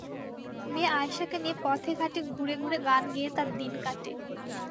মেয়ে আয়শাকে নিয়ে পথে-ঘাটে ঘুরে ঘুরে গান গেয়ে তাঁর দিন কাটে।